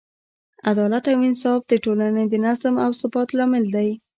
عدالت او انصاف د ټولنې د نظم او ثبات لامل دی.